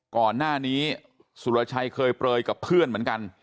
ก่อนหน้านี้สุรชัยเคยเปลยกับเพื่อนเหมือนกัน